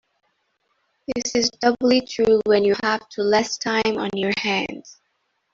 This is doubly true when you have to less time on your hands.